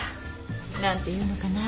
何ていうのかな。